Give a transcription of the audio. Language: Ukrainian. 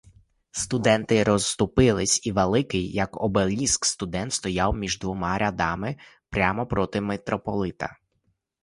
Студенти розступились, і великий, як обеліск, студент стояв між двома рядами прямо проти митрополита.